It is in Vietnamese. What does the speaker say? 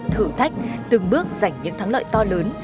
thử thách từng bước giành những thắng lợi to lớn